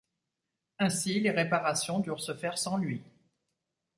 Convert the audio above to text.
Ainsi, les réparations durent se faire sans lui.